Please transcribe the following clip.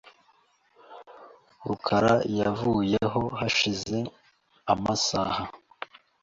rukara yavuyeho hashize amasaha .